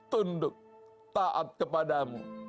tunduk patuh kepadamu